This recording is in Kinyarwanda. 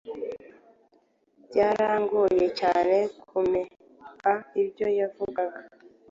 Byarangoye cyane kumea ibyo yavugaga.